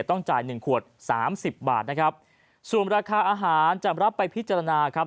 ต้องจ่าย๑ขวด๓๐บาทนะครับส่วนราคาอาหารจะรับไปพิจารณาครับ